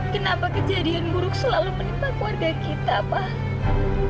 kenapa kejadian buruk selalu menimpa keluarga kita pak